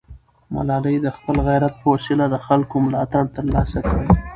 ملالۍ د خپل غیرت په وسیله د خلکو ملاتړ ترلاسه کړ.